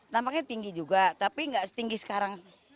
dampaknya tinggi juga tapi gak setinggi sekarang